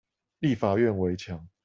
立法院圍牆